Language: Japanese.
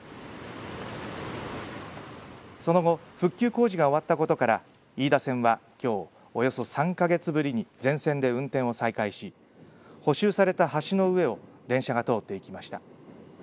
その後、復旧工事が終わったことから飯田線はきょう、およそ３か月ぶりに全線で運転を再開し補修された橋の上を電車が通っていきました。